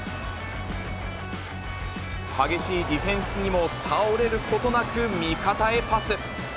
激しいディフェンスにも倒れることなく味方へパス。